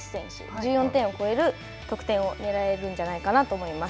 １４点を超える得点をねらえるんじゃないかなと思います。